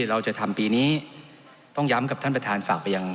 เราจะทำปีนี้ต้องย้ำกับท่านประธานฝากไปยัง